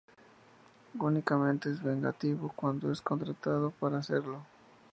Únicamente es vengativo cuando es contratado para hacerlo.